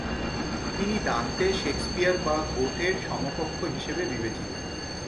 তিনি Dante, Shakespeare বা গ্যোটের সমকক্ষ হিসেবে বিবেচিত।